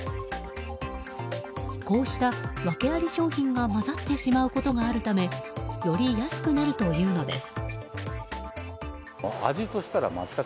こうした訳あり商品が混ざってしまうことがあるためより安くなるというのです。